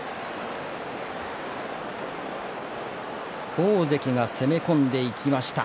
大関が攻め込んでいきました。